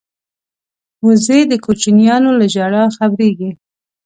وزې د کوچنیانو له ژړا خبریږي